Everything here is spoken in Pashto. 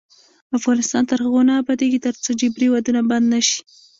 افغانستان تر هغو نه ابادیږي، ترڅو جبري ودونه بند نشي.